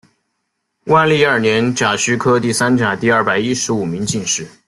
万历二年甲戌科第三甲第二百一十五名进士。